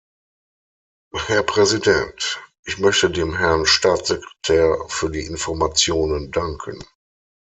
Herr Präsident! Ich möchte dem Herrn Staatssekretär für die Informationen danken.